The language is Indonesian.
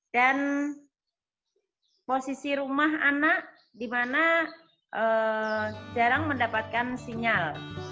dan posisi rumah anak di mana jarang mendapatkan sinyal